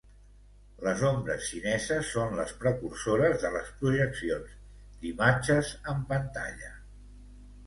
Les ombres xineses són les precursores de les projeccions d'imatges en pantalla.